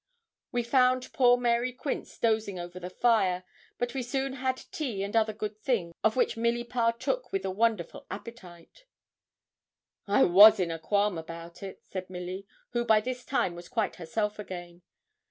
We found poor Mary Quince dozing over the fire; but we soon had tea and other good things, of which Milly partook with a wonderful appetite. 'I was in a qualm about it,' said Milly, who by this time was quite herself again.